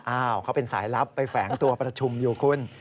อ้าวเขาเป็นสายลับไปแฝงตัวประชุมอยู่คุณ